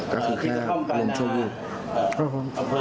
คือแค่วงช่วยรูป